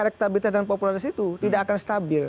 erektabilitas dan populeritas itu tidak akan stabil